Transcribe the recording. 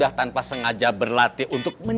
bahkan abraham kora ke respectively